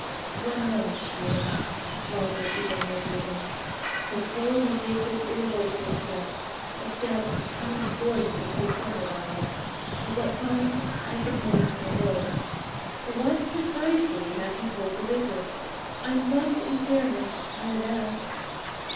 'One moment, Sheila,' Lawford began miserably. 'Before we take this irrevocable step, a step I implore you to postpone awhile—for what comes, I suppose, may go—what precisely have you told the vicar? I must in fairness know that.